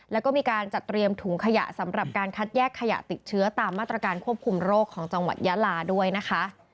แล้วก็มีการจัดเตรียมถุงขยะสำหรับการคัดแยกขยะติดเชื้อตามมาตรการควบคุมโรคของจังหวัดยาลาด้วยนะคะ